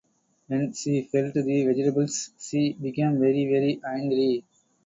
When she felt the vegetables she became very, very angry.